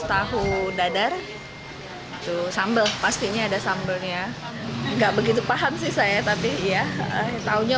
tahu dadar sambel pastinya ada sambelnya enggak begitu paham sih saya tapi ya tahunnya